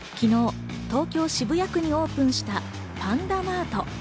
昨日、東京・渋谷区にオープンしたパンダマート。